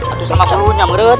aduh sangat selunya menurut